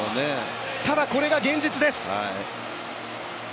ただ、これが現実です。